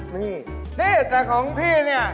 นี่นี่แต่ของพี่เนี่ย